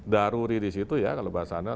doruri di situ ya kalau bahasanya